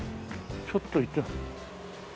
ちょっと行って。